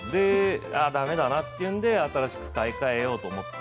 だめだなと思って新しく買い替えようと思って。